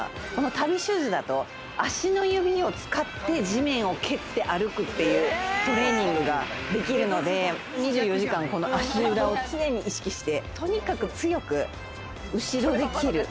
足袋シューズだと、足の指を使って地面を蹴って歩くっていうトレーニングができるので、２４時間、この足裏を常に意識して、とにかく強く、後ろで蹴る。